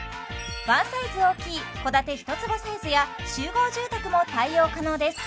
ワンサイズ大きい戸建て一坪サイズや集合住宅も対応可能です